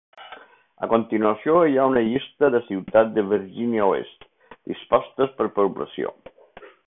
A continuació hi ha una llista de ciutats de Virgínia Oest, dispostes per població.